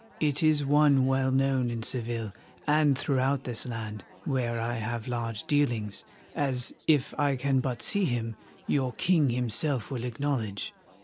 It is one well known in Seville and throughout this land, where I have large dealings, as, if I can but see him, your king himself will acknowledge.